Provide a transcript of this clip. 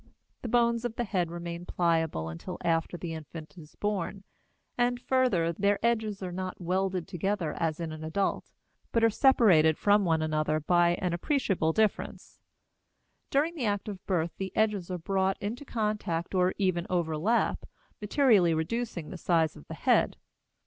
The bones of the head remain pliable until after the infant is born, and, further, their edges are not welded together as in an adult, but are separated from one another by an appreciable distance. During the act of birth the edges are brought into contact or even overlap, materially reducing the size of the head.